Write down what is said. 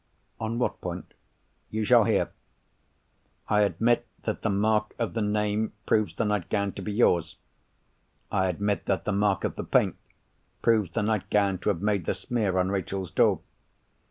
"On what point?" "You shall hear. I admit that the mark of the name proves the nightgown to be yours. I admit that the mark of the paint proves the nightgown to have made the smear on Rachel's door.